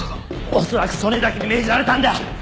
おそらく曽根崎に命じられたんだ。